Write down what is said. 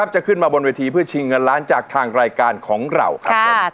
จะขึ้นมาบนเวทีเพื่อชิงเงินล้านจากทางรายการของเราครับผม